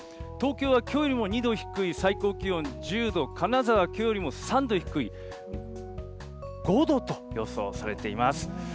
東京はきょうよりも２度低い最高気温１０度、金沢、きょうよりも３度低い５度と予想されています。